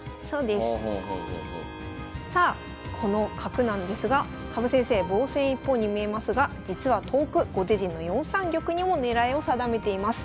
さあこの角なんですが羽生先生防戦一方に見えますが実は遠く後手陣の４三玉にも狙いを定めています。